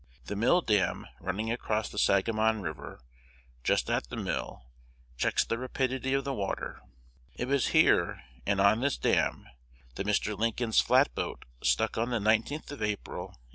The mill dam running across the Sangamon River just at the mill checks the rapidity of the water. It was here, and on this dam, that Mr. Lincoln's flatboat 'stuck on the 19th of April, 1831.'